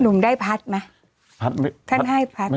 หนุ่มได้พัสค์ไหม